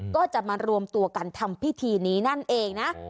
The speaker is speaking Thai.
ก็จะมารวมตัวกันทำพิธีนี้นั่นเองนะ